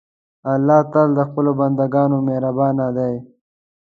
الله تل د خپلو بندهګانو مهربان دی.